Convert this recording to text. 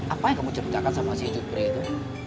apa yang kamu ceritakan sama si jupre itu